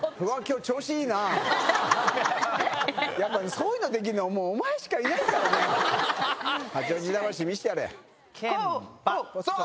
そういうのできるのもうお前しかいないからな。